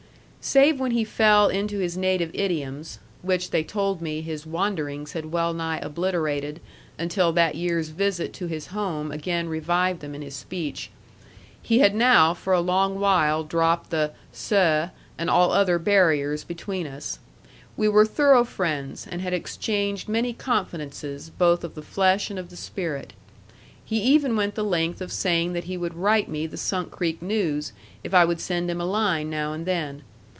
Save when he fell into his native idioms (which, they told me, his wanderings had well nigh obliterated until that year's visit to his home again revived them in his speech), he had now for a long while dropped the "seh," and all other barriers between us. We were thorough friends, and had exchanged many confidences both of the flesh and of the spirit. He even went the length of saying that he would write me the Sunk Creek news if I would send him a line now and then.